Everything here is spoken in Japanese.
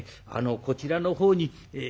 こちらの方にえ